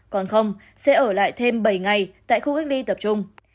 còn không sẽ ở lại thêm bảy ngày tại khu cách ly tập trung